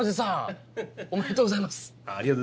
ありがとうございます。